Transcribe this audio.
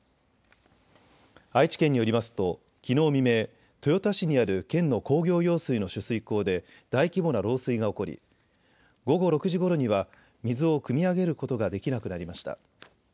愛知県によりますときのう未明、豊田市にある県の工業用水の取水口で大規模な漏水が起こり午後６時ごろには水をくみ上げることができなくなりました。